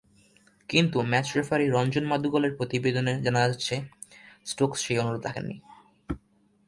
কিন্তু match referee Ranjan মাদুগালের প্রতিবেদনে জানা যাচ্ছে, স্টোকস সেই অনুরোধ রাখেননি।